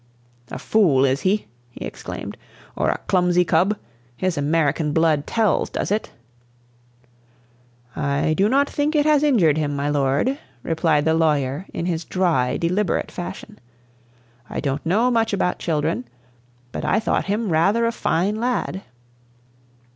"A fool, is he?" he exclaimed. "Or a clumsy cub? His American blood tells, does it?" "I do not think it has injured him, my lord," replied the lawyer in his dry, deliberate fashion. "I don't know much about children, but I thought him rather a fine lad."